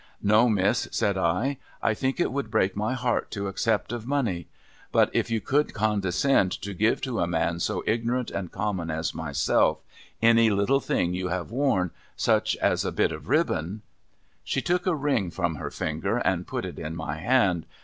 ' No, miss,' said I, ' I think it would break my heart to accept of money. But, if you could condescend to give to a man so ignorant and common as myself, any little thing you have worn — such as a bit of ribbon ' She took a ring from her finger, and put it in my hand.